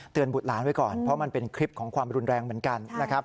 บุตรหลานไว้ก่อนเพราะมันเป็นคลิปของความรุนแรงเหมือนกันนะครับ